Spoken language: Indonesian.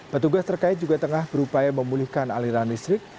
petugas terkait juga tengah berupaya memulihkan aliran listrik